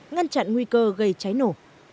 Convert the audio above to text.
ngăn chặn nguy cơ gây cháy nổ